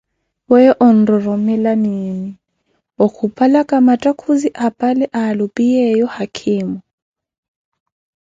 Weyo onororomela miini okupalaka mattakhuzi apale alupiyeeyo haakhimo?